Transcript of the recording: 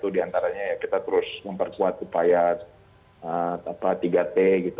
di antaranya kita terus memperkuat upaya tiga t